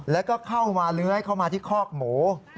แล้วก็เข้ามาเลื้อยเข้ามาที่คอกหมู